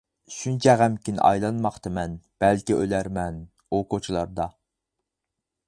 شۇنچە غەمكىن ئايلانماقتىمەن، بەلكىم ئۆلەرمەن ئۇ كوچىلاردا.